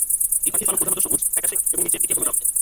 এই পাখির পালক প্রধানত সবুজ, ফ্যাকাশে এবং নিচের দিকে হলুদাভ।